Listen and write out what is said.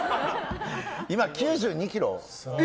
今、９２ｋｇ。